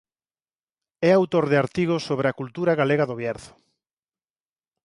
É autor de artigos sobre a cultura galega do Bierzo.